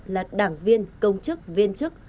là đảng viên công chức viên chức